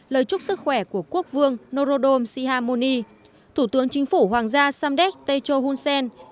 lời chúc sức khỏe của quốc vương norodom sihamoni thủ tướng chính phủ hoàng gia samdech techo hunsen